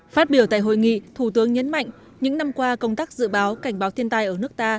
phát biểu tại hội nghị thủ tướng nhấn mạnh những năm qua công tác dự báo cảnh báo thiên tai ở nước ta